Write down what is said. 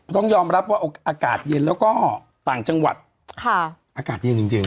ต้องยอมรับว่าอากาศเย็นแล้วก็ต่างจังหวัดอากาศเย็นจริง